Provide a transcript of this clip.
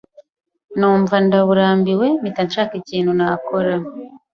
numva ndaburambiwe mpita nshaka ikintu nakora